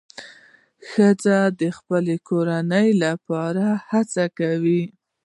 ښځه د خپل کورنۍ لپاره هڅې کوي.